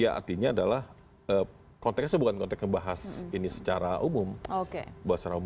ya artinya adalah konteksnya bukan konteks membahas ini secara umum